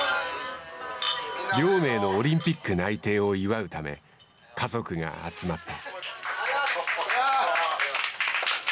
亮明のオリンピック内定を祝うため家族が集まった。